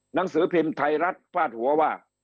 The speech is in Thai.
หนังสือพิมพ์ไทยรัฐฟาดหัวว่า